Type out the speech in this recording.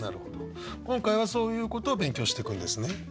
今回はそういうことを勉強していくんですね。